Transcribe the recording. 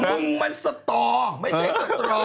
มึงมันสตอไม่ใช่สตรอ